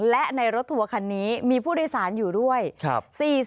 และในรถทัวว์คันนี้มีพูดโดยศาลอยู่ด้วยครับ